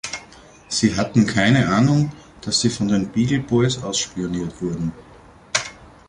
Sie hatten keine Ahnung, dass sie von den Beagle Boys ausspioniert wurden.